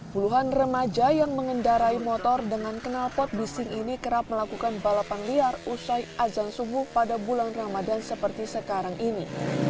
puluhan remaja yang mengendarai motor dengan kenal pot bising ini kerap melakukan balapan liar usai azan subuh pada bulan ramadan seperti sekarang ini